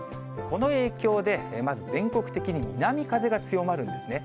この影響でまず全国的に南風が強まるんですね。